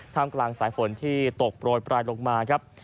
กลางสายฝนที่ตกโปรยปลายลงมาครับ